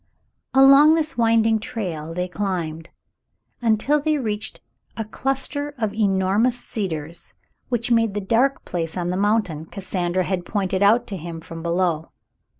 Along this winding trail they climbed, until they reached a cluster of enormous cedars which made the dark place on the mountain Cassandra had pointed out to him from below.